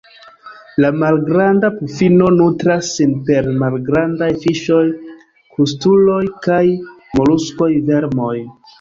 La Malgranda pufino nutras sin per malgrandaj fiŝoj, krustuloj kaj moluskoj, vermoj.